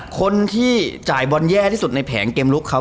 คนที่จ่ายบอลแย่ที่สุดในแผงเกมลุกเขา